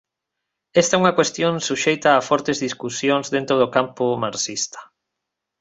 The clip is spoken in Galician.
Esta é unha cuestión suxeita a fortes discusións dentro do campo marxista.